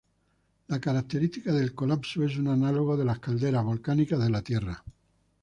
La característica del colapso es un análogo de las calderas volcánicas de la Tierra.